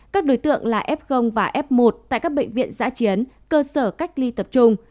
các đối tượng là f và f một tại các bệnh viện giã chiến cơ sở cách ly tập trung